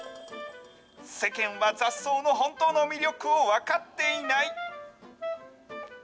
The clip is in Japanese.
世間は雑草の本当の魅力を分かっていない。